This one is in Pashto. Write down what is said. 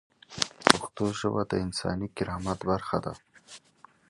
پښتو ژبه د انساني کرامت برخه ده.